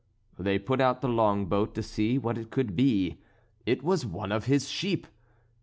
They put out the long boat to see what it could be: it was one of his sheep!